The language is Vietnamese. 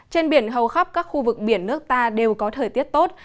trên biển hầu khắp các khu vực biển nước ta đều có thời tiết tốt